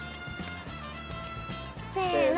せの。